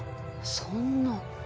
そんな。